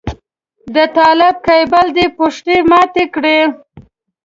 د طالب کيبل دې پښتۍ ماتې کړې.